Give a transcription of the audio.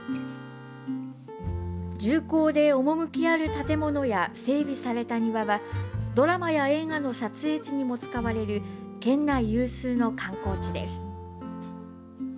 重厚で趣ある建物や整備された庭はドラマや映画の撮影地にも使われる、県内有数の観光地です。